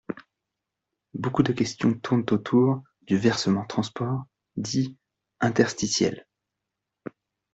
Beaucoup de questions tournent autour du versement transport dit interstitiel.